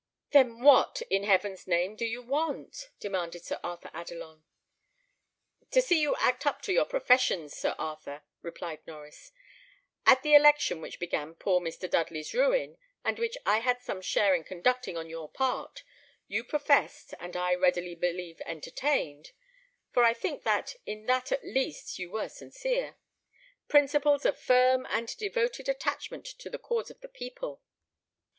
"Then what, in heaven's name, do you want?" demanded Sir Arthur Adelon. "To see you act up to your professions, Sir Arthur," replied Norries. "At the election which began poor Mr. Dudley's ruin, and which I had some share in conducting on your part, you professed, and I really believe entertained for I think that, in that at least, you were sincere principles of firm and devoted attachment to the cause of the people.